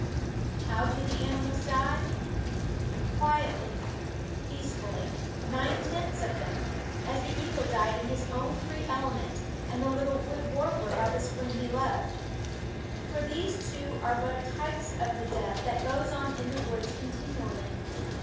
How do the animals die ? quietly, peace fully, nine tenths of them, as the eagle died in his own free element, and the little wood THE WOODS warbler by the spring he loved. For these two are but types of the death that goes on in the woods continually.